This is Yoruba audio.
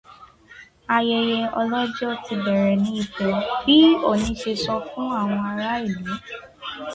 Ayẹyẹ Ọlọ́jọ́ ti bẹ̀rẹ̀ ní Ifẹ̀, bí Ọọ̀ni ṣe sọ fún àwọn ará ìlú